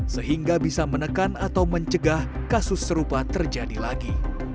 sehingga bisa menekan atau mencegah kasus serupa terjadi lagi